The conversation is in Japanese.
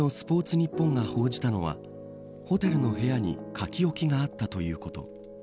ニッポンが報じたのはホテルの部屋に書き置きがあったということ。